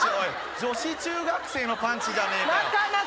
女子中学生のパンチじゃねえか！